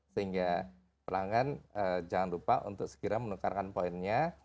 sehingga pelanggan jangan lupa untuk segera menukarkan poinnya